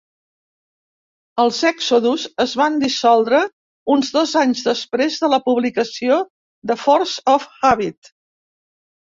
Els Exodus es van dissoldre uns dos anys després de la publicació de "Force of Habit".